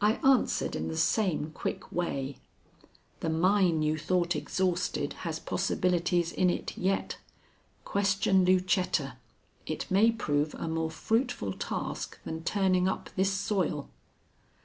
I answered in the same quick way: "The mine you thought exhausted has possibilities in it yet. Question Lucetta. It may prove a more fruitful task than turning up this soil."